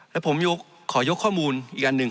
และผมขอยกข้อมูลอีกอันหนึ่ง